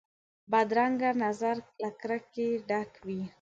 بدرنګه نظر له کرکې ډک وي